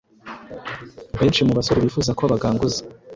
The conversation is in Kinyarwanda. Benshi mu basore bifuza ko baganguza